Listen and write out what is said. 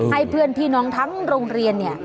ให้เพื่อนพี่น้องทั้งโรงเรียนเนี่ย